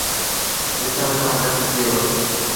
ڏسڻ سآݩ ڊپ ٿئي دو۔